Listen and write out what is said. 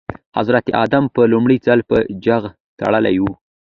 حضرت ادم په لومړي ځل په جغ تړلي وو.